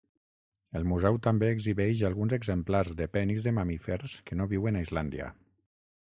El museu també exhibeix alguns exemplars de penis de mamífers que no viuen a Islàndia.